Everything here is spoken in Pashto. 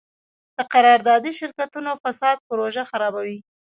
د قراردادي شرکتونو فساد پروژه خرابوي.